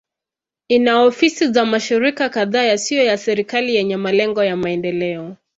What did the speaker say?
Ina ofisi za mashirika kadhaa yasiyo ya kiserikali yenye malengo ya maendeleo.